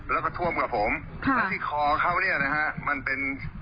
แล้วก็ท่วมกับผมแล้วที่คอเขาเนี่ยนะฮะมันเป็น